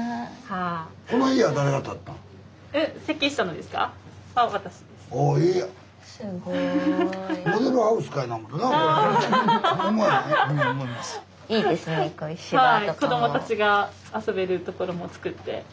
はい子どもたちが遊べるところもつくって。